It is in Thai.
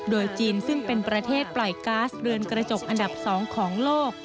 โดยจีนซึ่งเป็นประเทศปล่อยก๊าซเรือนกระจกอันดับ๒ของโลก